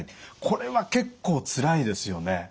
これは結構つらいですよね。